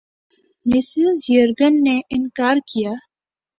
Mrs یئرگن نے اِنکار کِیا